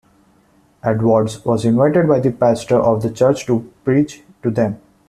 Edwards was invited by the pastor of the church to preach to them.